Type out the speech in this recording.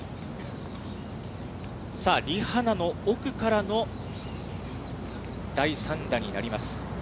さあ、リ・ハナの奥からの第３打になります。